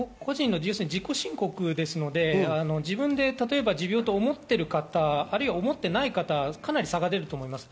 自己申告ですので、自分で持病と思ってる方、思ってない方、かなり差が出ると思います。